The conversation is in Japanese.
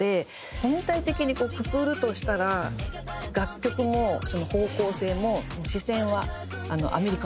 全体的にくくるとしたら楽曲も方向性も視線はアメリカを向いている。